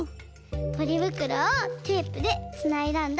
ポリぶくろをテープでつないだんだ。